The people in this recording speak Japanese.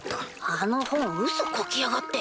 あの本うそこきやがって！